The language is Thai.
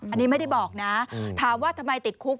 อันนี้ไม่ได้บอกนะถามว่าทำไมติดคุก